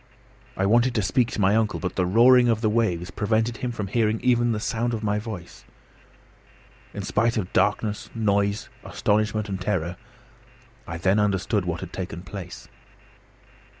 I wanted to speak to my uncle, but the roaring of the waves prevented him from hearing even the sound of my voice. In spite of darkness, noise, astonishment, and terror, I then understood what had taken place.